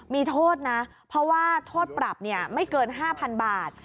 มีโทษนะเพราะว่าโทษปรับไม่เกิน๕๐๐๐บาท